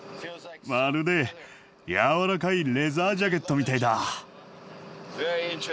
まるでやわらかいレザージャケットみたいだ。